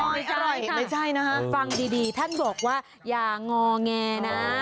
ไม่ใช่นะฮะฟังดีท่านบอกว่าอย่างองแงนะ